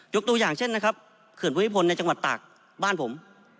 ตัวอย่างเช่นนะครับเขื่อนภูมิพลในจังหวัดตากบ้านผม